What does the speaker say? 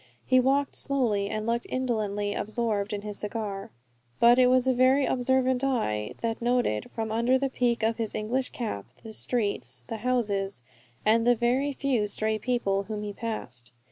He walked slowly, and looked indolently absorbed in his cigar. But it was a very observant eye that noted, from under the peak of his English cap, the streets, the houses, and the very few stray people whom he passed.